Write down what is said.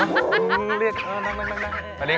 ลักษณะคล้ายมามันจะอื้อนั่ง